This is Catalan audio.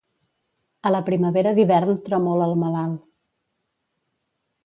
A la primavera d'hivern tremola el malalt.